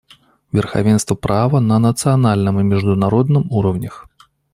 Верховенство права на национальном и международном уровнях.